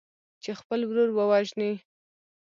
چې خپل ورور ووژني.